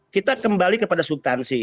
kita kembali kepada subtansi